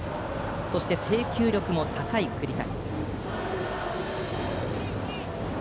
そして制球力も高い栗谷。